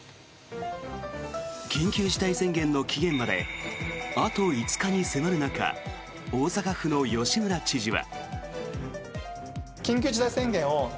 緊急事態宣言の期限まであと５日に迫る中大阪府の吉村知事は。